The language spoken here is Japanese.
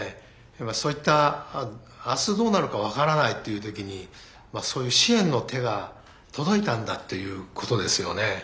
そういった明日どうなるか分からないっていう時にそういう支援の手が届いたんだっていうことですよね。